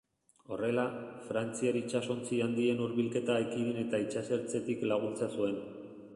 Horrela, frantziar itsasontzi handien hurbilketa ekidin eta itsasertzetik laguntza zuen.